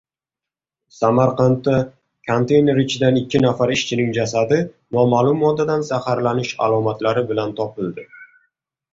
Samarqandda konteyner ichidan ikki nafar ishchining jasadi noma’lum moddadan zaharlanish alomatlari bilan topildi